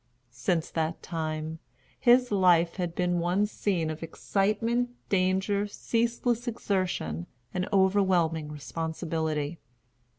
Since that time, his life had been one scene of excitement, danger, ceaseless exertion, and overwhelming responsibility.